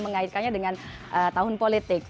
mengaitkannya dengan tahun politik